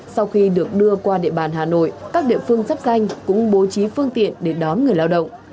sau khi được đưa qua địa bàn hà nội các địa phương dắp danh cũng bố trí phương tiện để đón người lao động